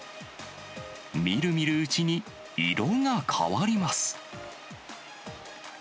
みるみるうちに色が変わります。